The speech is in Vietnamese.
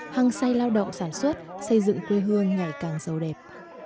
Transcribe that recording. hăng say lao động sản xuất xây dựng quê hương ngày càng giàu đẹp